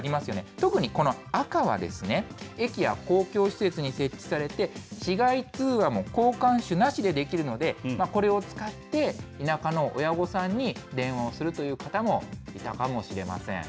特にこの赤はですね、駅や公共施設に設置されて、市外通話も交換手なしでできるので、これを使って、田舎の親御さんに電話をするという方もいたかもしれません。